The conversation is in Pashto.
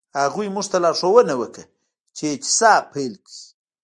هغوی موږ ته لارښوونه وکړه چې اعتصاب پیل کړئ.